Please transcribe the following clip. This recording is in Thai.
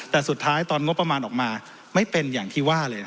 แต่สุดท้ายตอนงบประมาณออกมาไม่เป็นอย่างที่ว่าเลย